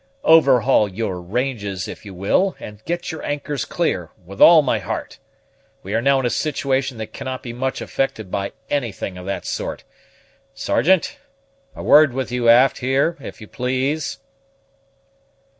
"Overhaul your ranges, if you will, and get your anchors clear, with all my heart. We are now in a situation that cannot be much affected by anything of that sort. Sergeant, a word with you aft here, if you please."